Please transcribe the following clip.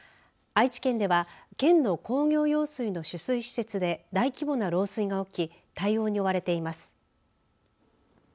愛知県では県の工業用水の取水施設で大規模な漏水が起き対応に追われています。